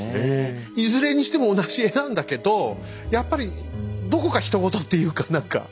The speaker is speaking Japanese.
いずれにしても同じ絵なんだけどやっぱりどこかひと事っていうか何か。